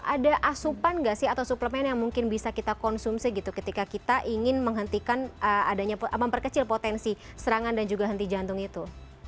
ada asupan nggak sih atau suplemen yang mungkin bisa kita konsumsi gitu ketika kita ingin menghentikan adanya memperkecil potensi serangan dan juga henti jantung itu